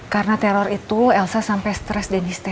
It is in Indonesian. karena teror itu elsa sampai stress dan histeris